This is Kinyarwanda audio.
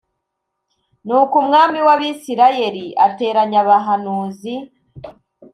Nuko umwami w’Abisirayeli ateranya abahanuzi